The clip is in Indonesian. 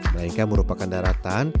melainkan merupakan daratan